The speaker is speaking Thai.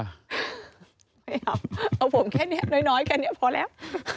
ไม่เอาผมแค่นี้น้อยแค่นี้พอแล้ว